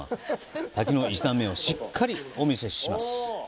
滝の一段目をしっかりお見せしますよ！